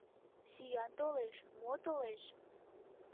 Сӱан толеш, мо толеш, -